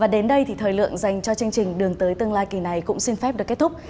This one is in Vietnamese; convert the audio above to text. đến đây thì thời lượng dành cho chương trình đường tới tương lai kỳ này cũng xin phép được kết thúc